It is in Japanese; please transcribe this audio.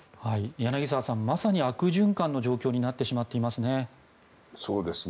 柳澤さんまさに悪循環の状況になってしまっていますね。